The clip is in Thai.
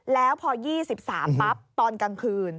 แล้วพอ๒๓ปั๊บตอนกลางคืน